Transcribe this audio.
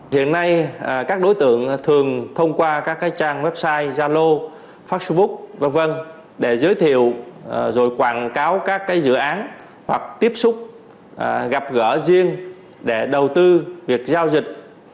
hiện nay các đối tượng thường thông qua các trang website zalo facebook v v để giới thiệu rồi quảng cáo các dự án hoặc tiếp xúc gặp gỡ riêng để đầu tư việc giao dịch